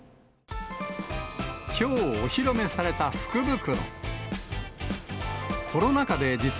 きょう、お披露目された福袋。